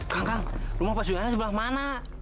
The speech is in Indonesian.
kang kang rumah pak sujana sebelah mana